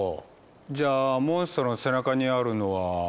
じゃあモンストロの背中にあるのは。